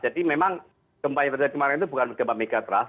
jadi memang gempa yang terjadi di malang itu bukan gempa megatrust